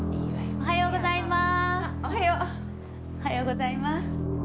おはようございます。